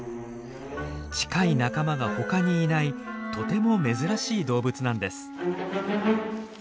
近い仲間がほかにいないとても珍しい動物なんです。